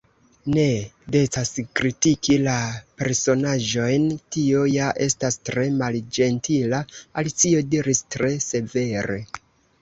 "Ne decas kritiki la personaĵojn; tio ja estas tre malĝentila." Alicio diris tre severe.